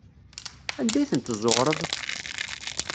Anda ay tent-tezzuɣreḍ?